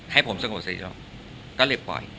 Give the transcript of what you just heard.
ให้ผมสงบสะดีแล้วก็เลยปล่อย